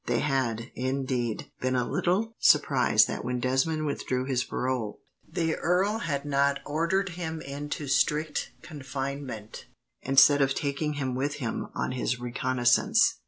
They had, indeed, been a little surprised that, when Desmond withdrew his parole, the earl had not ordered him into strict confinement, instead of taking him with him on his reconnaissance.